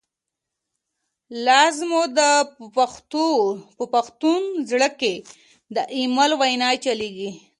لاز موږ په پښتون زړه کی، ”دایمل” وینه چلیږی